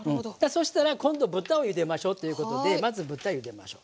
そしたら今度豚をゆでましょうということでまず豚ゆでましょう。